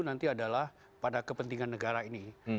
nanti adalah pada kepentingan negara ini